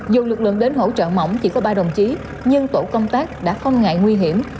dù lực lượng đến hỗ trợ mỏng chỉ có ba đồng chí nhưng tổ công tác đã không ngại nguy hiểm